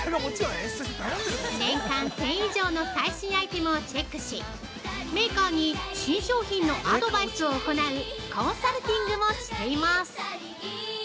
年間１０００以上の最新アイテムをチェックし、メーカーに新商品のアドバイスを行うコンサルティングもしています。